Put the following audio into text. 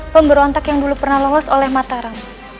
pemberontak yang dulu pernah lolos oleh mataram